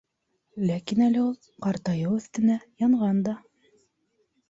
Ләкин әле ул, ҡартайыу өҫтөнә, янған да.